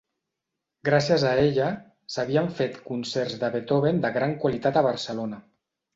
Gràcies a ella, s'havien fet concerts de Beethoven de gran qualitat a Barcelona.